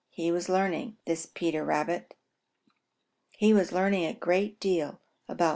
He was learning, was Peter Rabbit. He was learning a great deal about Mrs. Quack.